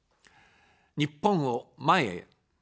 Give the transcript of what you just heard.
日本を、前へ。